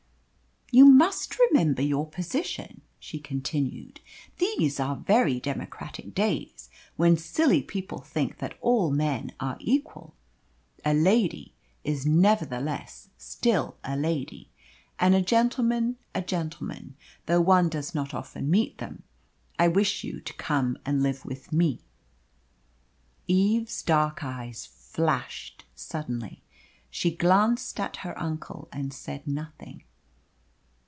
"You must remember your position," she continued. "These are very democratic days, when silly people think that all men are equal. A lady is nevertheless still a lady, and a gentleman a gentleman, though one does not often meet them. I wish you to come and live with me." Eve's dark eyes flashed suddenly. She glanced at her uncle, and said nothing.